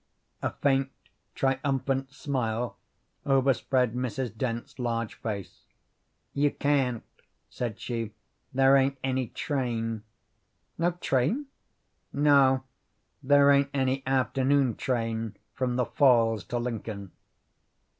A faint triumphant smile overspread Mrs. Dent's large face. "You can't," said she; "there ain't any train." "No train?" "No; there ain't any afternoon train from the Falls to Lincoln."